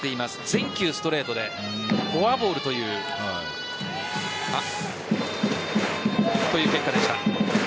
全球ストレートでフォアボールという結果でした。